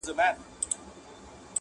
چي « منظور» به هم د قام هم د الله سي-